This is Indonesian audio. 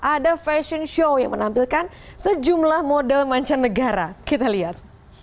ada fashion show yang menampilkan sejumlah model mancanegara kita lihat